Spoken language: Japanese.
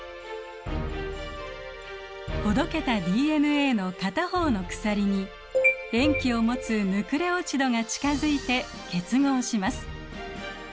ほどけたＤＮＡの片方の鎖に塩基を持つヌクレオチドが近づいて結合します。